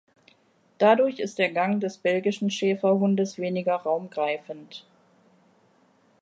Dadurch ist der Gang des belgischen Schäferhundes weniger „raumgreifend“.